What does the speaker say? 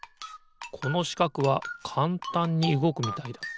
このしかくはかんたんにうごくみたいだ。